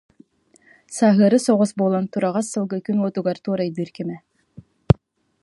Сааһыары соҕус буолан, тураҕас сылгы күн уотугар туорайдыыр кэмэ